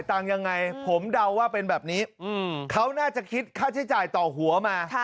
ตังค์ยังไงผมเดาว่าเป็นแบบนี้เขาน่าจะคิดค่าใช้จ่ายต่อหัวมา